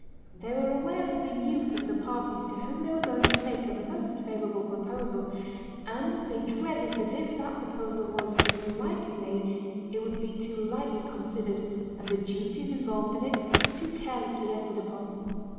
They were aware of the youth of the parties to whom they were going to make a most favourable proposal; and they dreaded that if that proposal was too lightly made, it would be too lightly considered, and the duties involved in it too carelessly entered upon.